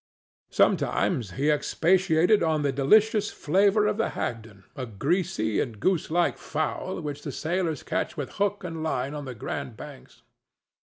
Sometimes he expatiated on the delicious flavor of the hagden, a greasy and goose like fowl which the sailors catch with hook and line on the Grand Banks.